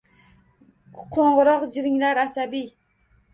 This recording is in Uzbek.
Qoʼngʼiroq jiringlar asabiy.